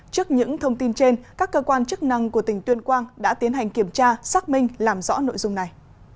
trước những thông tin trên các cơ quan chức năng của tỉnh tuyên quang đã tiến hành kiểm tra xác minh làm rõ nội dung này